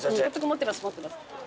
持ってます。